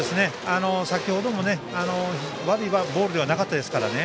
先程も悪いボールではなかったですからね。